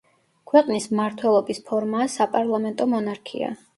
ქვეყნის მმართველობის ფორმაა საპარლამენტო მონარქია.